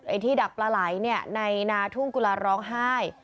ไอ้ที่ดับปลาไหลในนาทุ่งกุรร้องไห้